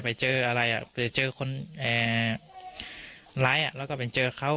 ไปเจออะไรอ่ะไปเจอคนเอ่อร้ายอ่ะแล้วก็ไปเจอเขา